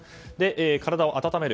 体を温める。